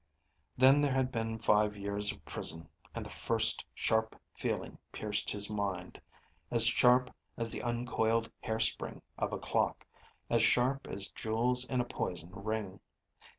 Then there had been five years of prison. And the first sharp feeling pierced his mind, as sharp as the uncoiled hair spring of a clock, as sharp as jewels in a poison ring.